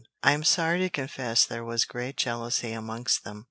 I am sorry to confess there was great jealousy amongst them.